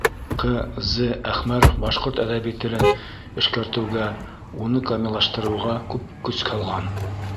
Ҡ.З.Әхмәров башҡорт әҙәби телен эшкәртеүгә, уны камиллаштырыуға күп көс һалған.